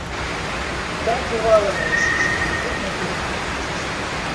І так, бывала, наясіся, што хоць на пупіку круціся